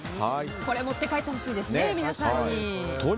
これ持って帰ってほしいですね皆さんに。